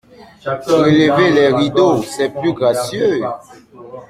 Relevez les rideaux… c’est plus gracieux !